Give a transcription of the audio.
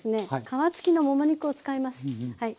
皮付きのもも肉を使いますはい。